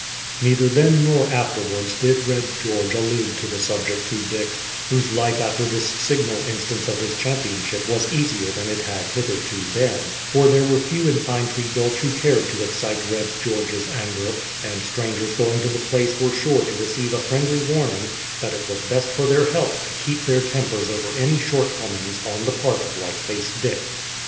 Neither then nor afterwards did Red George allude to the subject to Dick, whose life after this signal instance of his championship was easier than it had hitherto been, for there were few in Pine Tree Gulch who cared to excite Red George's anger; and strangers going to the place were sure to receive a friendly warning that it was best for their health to keep their tempers over any shortcomings on the part of White Faced Dick.